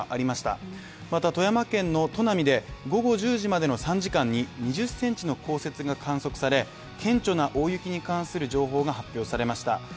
また富山県の砺波で午後１０時までの３時間に２０センチの降雪が観測され、顕著な大雪に関する情報が発表されました。